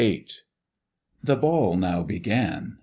The ball now began.